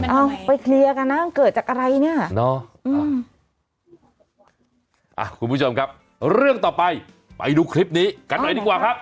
เอาไปเคลียร์กันนะเกิดจากอะไรเนี่ย